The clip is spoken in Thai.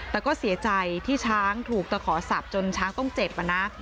แต่ก็เสียใจที่ช้างถูกตะขอสับจนช้างต้องเจ็บนะ